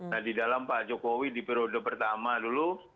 nah di dalam pak jokowi di periode pertama dulu